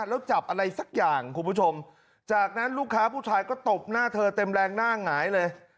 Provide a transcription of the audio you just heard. แล้วจับอะไรสักอย่างคุณผู้ชมจากนั้นลูกค้าผู้ชายก็ตบหน้าเธอเต็มแรงหน้าหงายเลย